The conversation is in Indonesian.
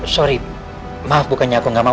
sorry maaf bukannya aku gak mau